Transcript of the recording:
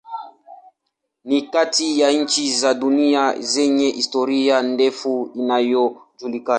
Ni kati ya nchi za dunia zenye historia ndefu inayojulikana.